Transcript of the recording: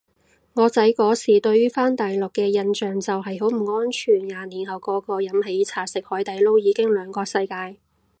我仔嗰時對於返大陸嘅印象就係好唔安全，廿年後個個飲喜茶食海底撈已經兩個世界